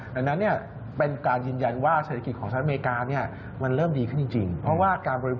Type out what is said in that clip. บริโภคดีฉะนั้นเราต้องเชื่อมั่นว่า